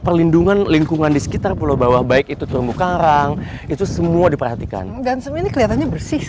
perlindungan lingkungan di sekitar pulau bawah baik itu terumbu karang itu semua diperhatikan